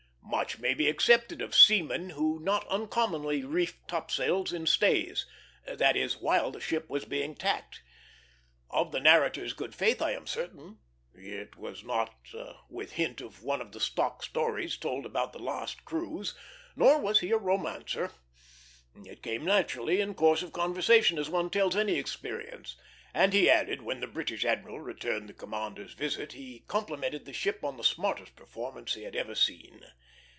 Much may be accepted of seamen who not uncommonly reefed topsails "in stays" that is, while the ship was being tacked. Of the narrator's good faith I am certain. It was not with hint one of the stock stories told about "the last cruise;" nor was he a romancer. It came naturally in course of conversation, as one tells any experience; and he added, when the British admiral returned the commander's visit he complimented the ship on the smartest performance he had ever seen.